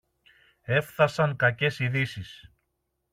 Έφθασαν κακές ειδήσεις.